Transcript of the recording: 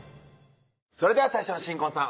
それでは最初の新婚さん